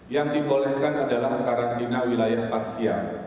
yang dibolehkan adalah karantina wilayah parsial